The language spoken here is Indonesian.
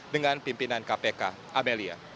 dengan pimpinan kpk amelia